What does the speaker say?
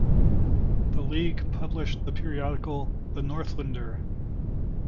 The League published the periodical "The Northlander".